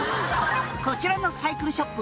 「こちらのサイクルショップ